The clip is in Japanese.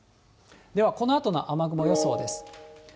では、このあとの雨雲予想です。